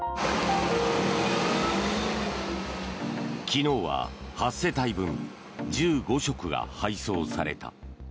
昨日は８世帯分、１５食が配送された。